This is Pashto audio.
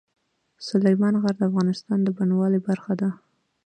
سلیمان غر د افغانستان د بڼوالۍ برخه ده.